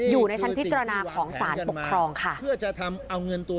อยู่ในชั้นพิจารณาของสารปกครองค่ะ